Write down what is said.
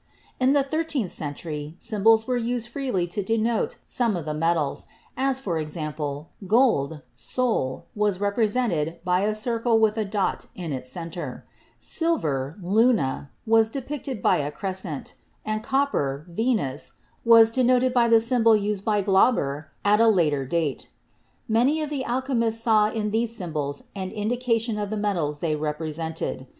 In the thirteenth century symbols were used freely to denote some of the metals ; as, for example, gold, Sol, was represented by a circle with a dot in its center; silver, Luna, was depicted by a crescent ; and copper, Venus, was denoted by the symbol used by Glauber at a later date. Many of the alchemists saw in these symbols an indication of the metals they represented.